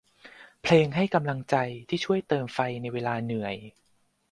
เพลงให้กำลังใจ ที่ช่วยเติมไฟในเวลาเหนื่อย